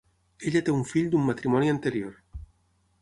Ella té un fill d'un matrimoni anterior.